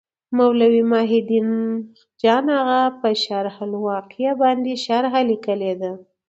مولوي محي الدین جان اغا په شرح الوقایه باندي شرحه لیکلي ده.